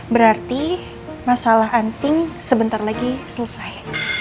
berarti masalah anting sebentar lagi selesai